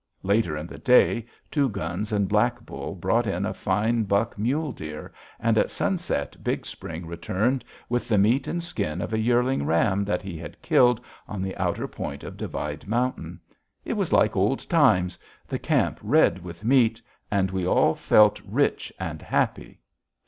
Later in the day, Two Guns and Black Bull brought in a fine buck mule deer, and at sunset Big Spring returned with the meat and skin of a yearling ram that he had killed on the outer point of Divide Mountain. It was like old times, the camp red with meat, and we all felt rich and happy.